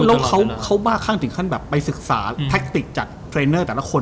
แล้วเขาบ้าข้างถึงขั้นแบบไปศึกษาแท็กติกจากเทรนเนอร์แต่ละคน